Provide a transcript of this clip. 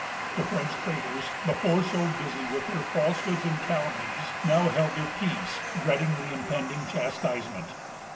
The French traders, before so busy with their falsehoods and calumnies, now held their peace, dreading the impending chastisement.